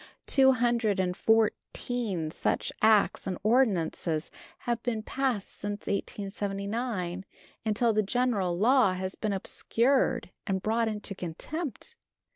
Two hundred and fourteen such acts and ordinances have been passed since 1879, until the general law has been obscured and brought into contempt.